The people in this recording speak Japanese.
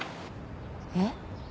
えっ？